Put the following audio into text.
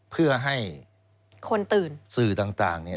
เพื่อให้คนตื่นสื่อต่างเนี่ย